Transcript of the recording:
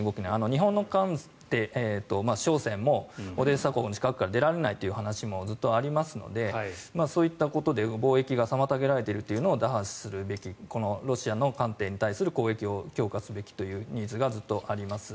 日本の艦艇、商船もオデーサ港の近くから出られない話もずっとありますのでそういったことで貿易が妨げられているというのを打破すべきこのロシアの艦艇に対する攻撃を強化すべきというニーズがずっとあります。